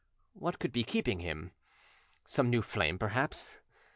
What could be keeping him? Some new flame, perhaps.